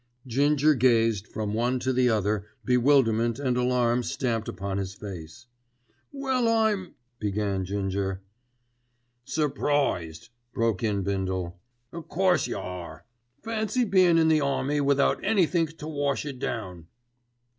Ginger gazed from one to the other, bewilderment and alarm stamped upon his face. "Well I'm——" began Ginger. "Surprised," broke in Bindle. "O' course you are. Fancy bein' in the army without anythink to wash it down.